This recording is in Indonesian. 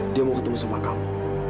dia mau ketemu sama kamu